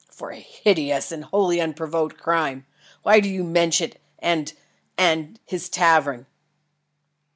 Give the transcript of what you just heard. "For a hideous and wholly unprovoked crime. Why do you mention it and and his tavern?"